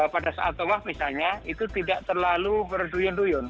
pada saat tawaf misalnya itu tidak terlalu berduyundu